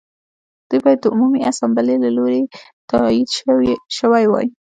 دوج باید د عمومي اسامبلې له لوري تایید شوی وای.